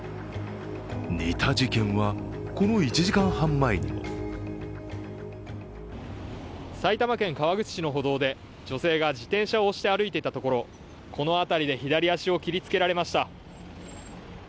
似た事件は、この１時間半前にも埼玉県川口市の歩道で、女性が自転車を押して歩いていたところこの辺りで左足を切りつけられました。